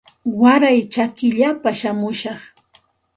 Waray chakillapa shamushaq